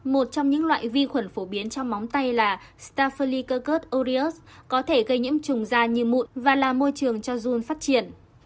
một trong những loại vi khuẩn phổ biến trong móng tay là staphylococcus aureus có thể gây những trùng da như mụn và là môi trường cho dung phát triển